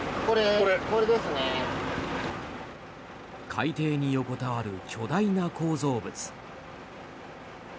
海底に横たわる巨大な構造物。